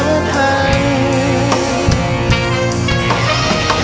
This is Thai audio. ยังเพราะความสำคัญ